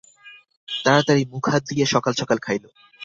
তাড়াতাড়ি মুখহাত ধুইয়া সকাল সকাল খাইল।